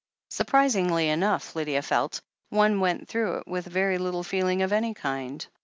Surprisingly enough, Lydia felt, one went through it with very little feeling of any kind.